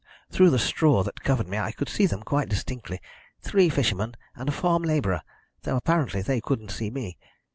Through the straw that covered me I could see them quite distinctly three fishermen and a farm labourer though apparently they couldn't see me.